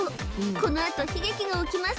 このあと悲劇が起きます